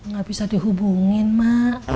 gak bisa dihubungin mak